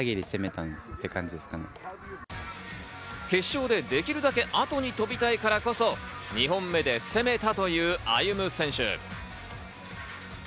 決勝でできるだけ後に飛びたいからこそ、２本目で攻めたという歩夢選手。